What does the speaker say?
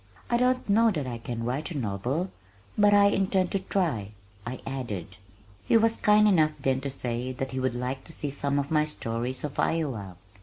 "I don't know that I can write a novel, but I intend to try," I added. He was kind enough then to say that he would like to see some of my stories of Iowa.